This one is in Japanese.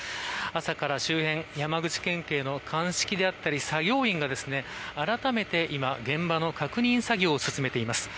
朝から周辺山口県警の鑑識であったり作業員が、あらためて現場の確認作業を進めています。